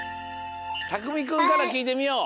たくみくんからきいてみよう。